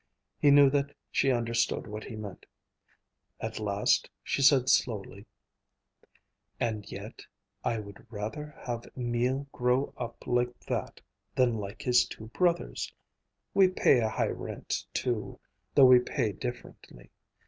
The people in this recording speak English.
He knew that she understood what he meant. At last she said slowly, "And yet I would rather have Emil grow up like that than like his two brothers. We pay a high rent, too, though we pay differently.